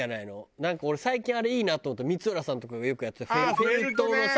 なんか俺最近あれいいなと思った光浦さんとかがよくやってたフェルトのさ。